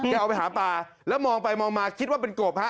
เอาไปหาปลาแล้วมองไปมองมาคิดว่าเป็นกบฮะ